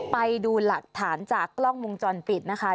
ไปดูหลักฐานจากกล้องวงจรปิดนะคะ